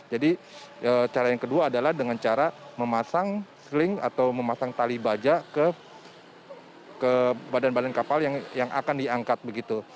jadi cara yang kedua adalah dengan cara memasang sling atau memasang tali baja ke badan badan kapal yang akan diangkat begitu